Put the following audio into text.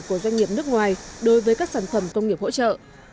của doanh nghiệp nước ngoài đối với các sản phẩm công nghiệp hỗ trợ